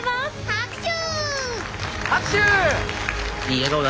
拍手！